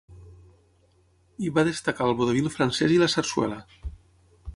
Hi va destacar el vodevil francès i la sarsuela.